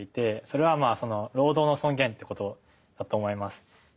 それは労働の尊厳ってことだと思います。